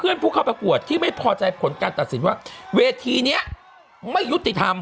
ผู้เข้าประกวดที่ไม่พอใจผลการตัดสินว่าเวทีนี้ไม่ยุติธรรม